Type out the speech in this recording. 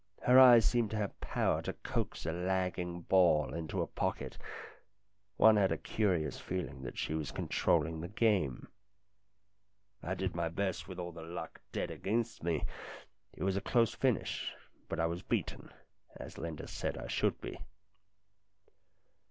Her eyes seemed to have power to coax a lagging ball into a pocket ; one had a curious feeling that she was controlling the game. I did my best with all the luck dead against me. It was a close finish, but I was beaten, as Linda said I should be.